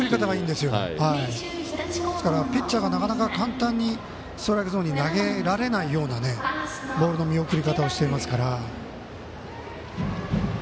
ですから、ピッチャーがなかなか簡単にストライクゾーンに投げられないようなボールの見送り方をしてますから。